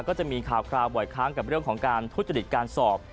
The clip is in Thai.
ก็จะมีข่าวคราวบ่อยครั้งกับเรื่องของการทุจริตการสอบ